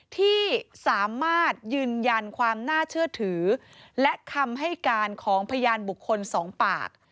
ที่สามารถยืนยันความน่าเชื่อถือและคำให้การของพยานบุคคลสองปาก